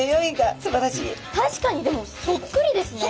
確かにでもそっくりですね。